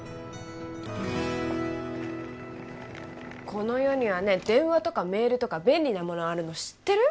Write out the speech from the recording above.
この世にはね電話とかメールとか便利なものあるの知ってる？